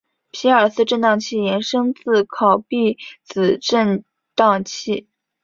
皮尔斯震荡器衍生自考毕子振荡器。